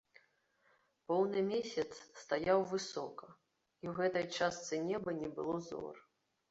Поўны месяц стаяў высока, і ў гэтай частцы неба не было зор.